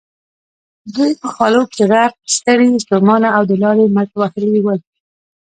دوی په خولو کې غرق، ستړي ستومانه او د لارې مټ وهلي ول.